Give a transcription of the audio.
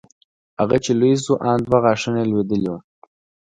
هغه چې لوى سو ان دوه غاښونه يې لوېدلي وو.